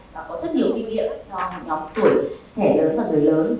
và có rất nhiều kinh nghiệm cho nhóm tuổi trẻ lớn và người lớn